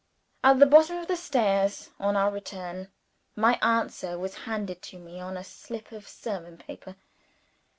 At the bottom of the stairs (on our return), my answer was handed to me on a slip of sermon paper.